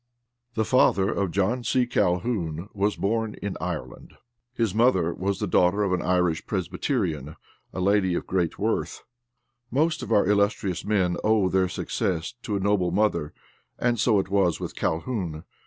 The father of John C. Calhoun was born in Ireland; his mother was the daughter of an Irish Presbyterian, a lady of great worth. Most of our illustrious men owe their success to a noble mother, and so it was with Calhoun.